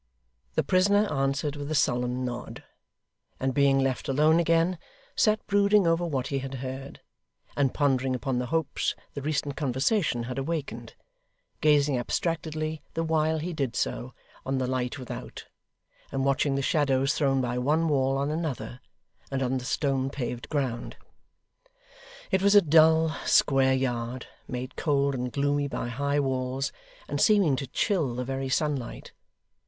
The prisoner answered with a sullen nod; and being left alone again, sat brooding over what he had heard, and pondering upon the hopes the recent conversation had awakened; gazing abstractedly, the while he did so, on the light without, and watching the shadows thrown by one wall on another, and on the stone paved ground. It was a dull, square yard, made cold and gloomy by high walls, and seeming to chill the very sunlight.